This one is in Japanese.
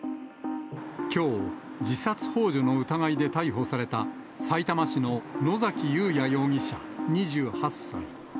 きょう、自殺ほう助の疑いで逮捕された、さいたま市の野崎祐也容疑者２８歳。